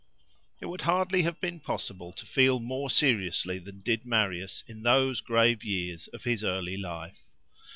It would hardly have been possible to feel more seriously than did Marius in those grave years of his early life.